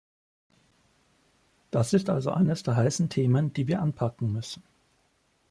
Das ist also eines der heißen Themen, die wir anpacken müssen.